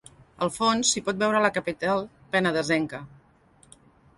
Al fons s’hi pot veure la capital penedesenca.